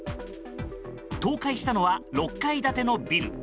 倒壊したのは６階建てのビル。